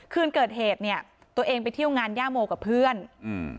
คืนเกิดเหตุเนี้ยตัวเองไปเที่ยวงานย่าโมกับเพื่อนอืม